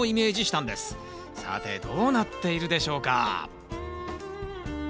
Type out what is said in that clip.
さてどうなっているでしょうか？